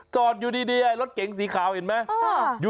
จอดอยู่ดีรถเก๋งสีขาวเห็นไหม